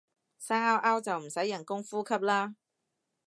生勾勾就唔使人工呼吸啦